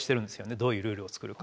どういうルールを作るか。